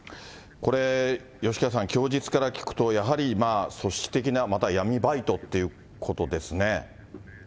これ、吉川さん、供述から聞くと、やはり組織的な、また闇バイトっていうことですね。